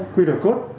quy được cốt